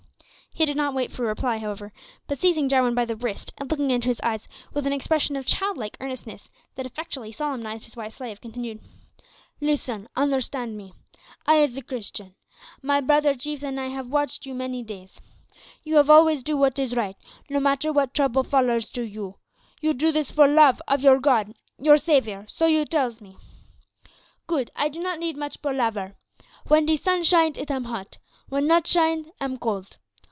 He did not wait for a reply, however, but seizing Jarwin by the wrist, and looking into his eyes with an expression of child like earnestness that effectually solemnised his white slave, continued, "Lissen, onderstan' me. I is a Christian. My broder chiefs an' I have watch you many days. You have always do wot is right, no matter wot trouble follers to you. You do this for love of your God, your Saviour, so you tells me. Good, I do not need much palaver. Wen de sun shines it am hot; wen not shine am cold.